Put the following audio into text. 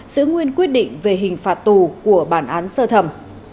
giữ nguyên quyết định về hình phạt tù của bản án sơ thẩm